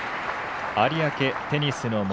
有明テニスの森。